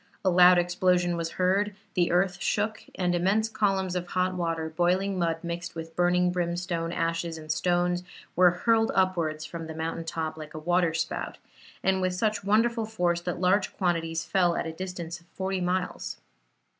A loud explosion was heard; the earth shook, and immense columns of hot water, boiling mud mixed with burning brimstone, ashes and stones, were hurled upwards from the mountain top like a waterspout, and with such wonderful force that large quantities fell at a distance of forty miles.